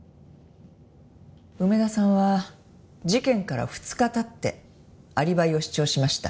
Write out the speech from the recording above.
梅田さんは事件から２日経ってアリバイを主張しました。